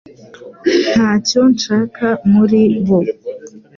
Ntacyo nshaka muri bo